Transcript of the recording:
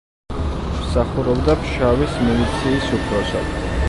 მსახურობდა ფშავის მილიციის უფროსად.